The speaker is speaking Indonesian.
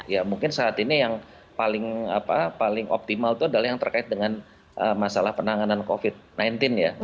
ya mungkin saat ini yang paling optimal itu adalah yang terkait dengan masalah penanganan covid sembilan belas ya